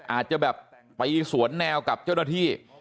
อาจจะแบบไปสวนแนวกับเจ้าหน้าที่